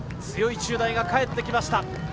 強い中大が帰ってきました。